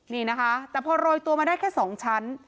นี่นะคะแต่พอโรยตัวมาได้แค่๒ชั้น